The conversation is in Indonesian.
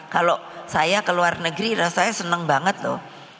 kalau saya ke luar negeri rasanya senang banget loh